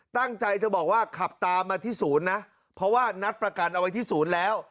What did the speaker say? ตั้งใจจะบอกว่าขับตามมาที่ศูนย์นะเพราะว่านัดประกันเอาไว้ที่ศูนย์แล้ว